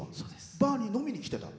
バーに飲みに来て。